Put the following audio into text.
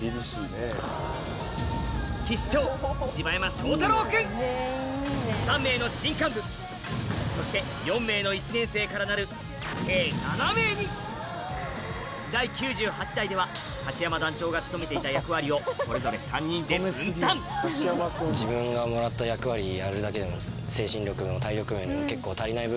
そう新生３名の新幹部そして４名の１年生からなる計７名に第９８代では柏山団長が務めていた役割をそれぞれ３人で分担前の６人がすごいこっちを。